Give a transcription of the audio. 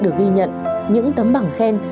được ghi nhận những tấm bảng khen